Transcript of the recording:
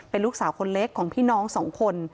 เป็นลูกสาวคนเล็กของพี่น้องสองคน